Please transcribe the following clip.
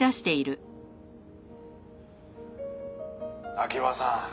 「秋葉さん